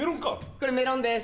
これメロンです。